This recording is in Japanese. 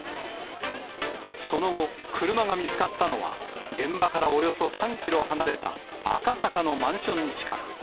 その後、車が見つかったのは、現場からおよそ３キロ離れた赤坂のマンション近く。